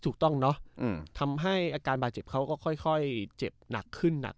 ถูกต้องเนอะทำให้อาการบาดเจ็บเขาก็ค่อยเจ็บหนักขึ้นหนัก